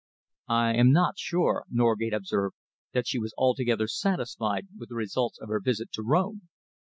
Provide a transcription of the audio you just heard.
"I am not sure," Norgate observed, "that she was altogether satisfied with the results of her visit to Rome."